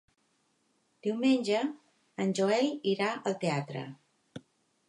Diumenge en Joel irà al teatre.